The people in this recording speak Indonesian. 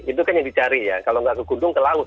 itu kan yang dicari ya kalau nggak ke gunung ke laut